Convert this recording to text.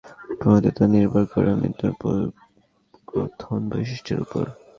মৃত্তিকার মধ্যে কতদ্রুত পানির অনুস্রবণ হবে তা নির্ভর করে মৃত্তিকার গ্রথন বৈশিষ্ট্যের উপর।